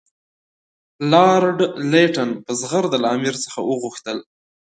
لارډ لیټن په زغرده له امیر څخه وغوښتل.